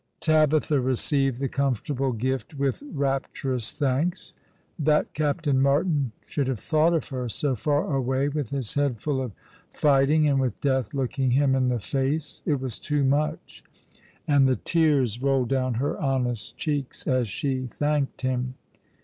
Tabitha received the comfortable gift with rapturous thanks. That Captain Martin should have thought of her, so far away, with his head full of fighting, and with death looking him in the face! It was too much, and the tears rolled down her honest cheeks as she thanked him.